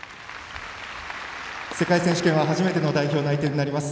世界選手権は初めての代表内定となります。